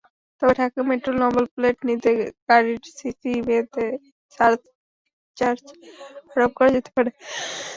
তবে ঢাকা মেট্রোর নম্বরপ্লেট নিতে গাড়ির সিসিভেদে সারচার্জ আরোপ করা যেতে পারে।